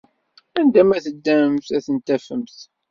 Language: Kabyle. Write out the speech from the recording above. Anda ma teddamt, ad tent-tafemt.